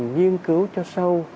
nghiên cứu cho sâu